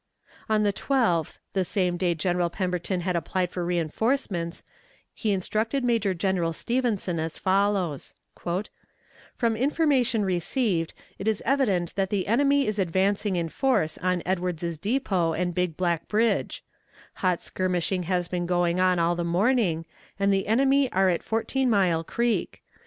On the 12th, the same day General Pemberton had applied for reënforcements, he instructed Major General Stevenson as follows: "From information received, it is evident that the enemy is advancing in force on Edwards's Depot and Big Black Bridge; hot skirmishing has been going on all the morning, and the enemy are at Fourteen Mile Creek.